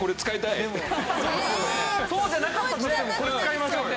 そうじゃなかったとしてもこれ使いましょうよ。